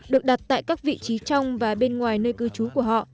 được đặt tại các vị trí trong và bên ngoài nơi cư trú của họ